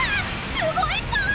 すごいパワー！